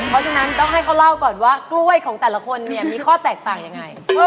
เพราะฉะนั้นต้องให้เขาเล่าก่อนว่ากล้วยของแต่ละคนเนี่ยมีข้อแตกต่างยังไง